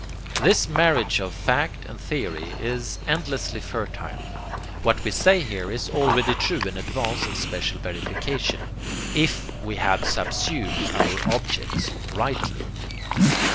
This marriage of fact and theory is endlessly fertile. What we say is here already true in advance of special verification, IF WE HAVE SUBSUMED OUR OBJECTS RIGHTLY.